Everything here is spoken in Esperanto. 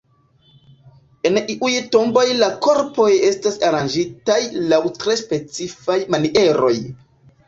En iuj tomboj la korpoj estas aranĝitaj laŭ tre specifaj manieroj.